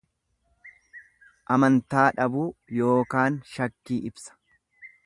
Amantaa dhabuu yookaan shakkii ibsa.